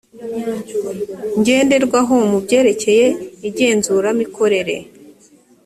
ngenderwaho mu byerekeye igenzuramikorere